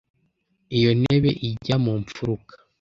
Iyo ntebe ijya mu mfuruka.